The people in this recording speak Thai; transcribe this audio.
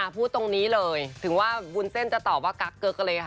พูดตรงนี้เลยถึงว่าวุ้นเส้นจะตอบว่ากักเกิ๊กเลยค่ะ